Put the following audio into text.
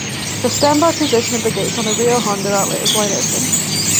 The "stand-by" position of the gates on the Rio Hondo outlet is wide open.